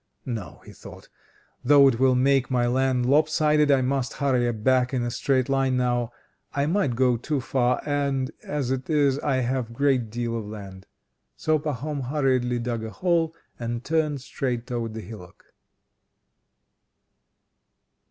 "No," he thought, "though it will make my land lopsided, I must hurry back in a straight line now. I might go too far, and as it is I have a great deal of land." So Pahom hurriedly dug a hole, and turned straight towards the hillock.